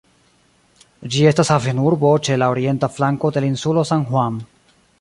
Ĝi estas havenurbo ĉe la orienta flanko de la insulo San Juan.